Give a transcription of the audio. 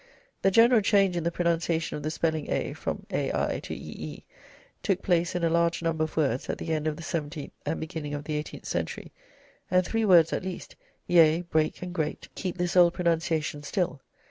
The general change in the pronunciation of the spelling 'ea' from 'ai' to 'ee' took place in a large number of words at the end of the seventeenth and beginning of the eighteenth century, and three words at least (yea, break, and great) keep this old pronunciation still.